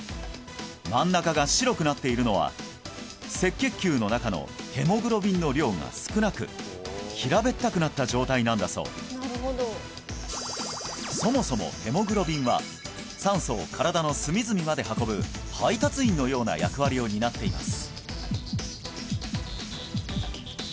真ん中が白くなっているのは赤血球の中のヘモグロビンの量が少なく平べったくなった状態なんだそうそもそもヘモグロビンは酸素を身体の隅々まで運ぶ配達員のような役割を担っています